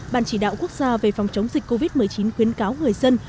bàn chỉ đạo quốc gia về phòng chống dịch covid một mươi chín khuyến cáo người dân